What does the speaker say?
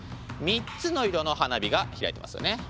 ３つの色の花火が開いていますよね。